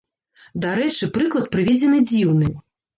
Дарэчы, прыклад прыведзены дзіўны.